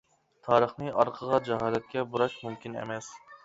تارىخنى ئارقىغا، جاھالەتكە بۇراش مۇمكىن ئەمەس.